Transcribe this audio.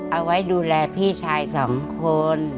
เอาไว้ดูแลพี่ชายสองคน